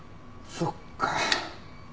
そっか。